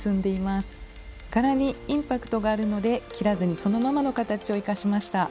柄にインパクトがあるので切らずにそのままの形を生かしました。